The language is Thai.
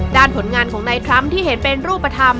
ผลงานของนายทรัมป์ที่เห็นเป็นรูปธรรม